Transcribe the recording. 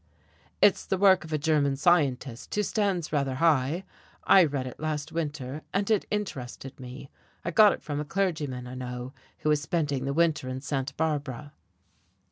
"It's the work of a German scientist who stands rather high. I read it last winter, and it interested me. I got it from a clergyman I know who is spending the winter in Santa Barbara."